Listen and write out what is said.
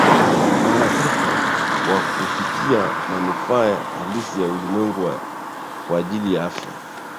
mara tatu kwa kufikia manufaa halisi ya ulimwengu kwa ajili ya afya